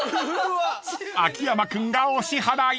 ［秋山君がお支払い］